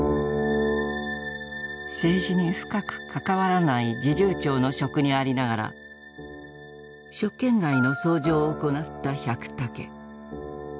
政治に深く関わらない侍従長の職にありながら「職権外の奏上」を行った百武。